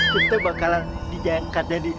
kita bakalan dijahatkan dari